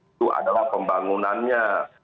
itu adalah pembangunannya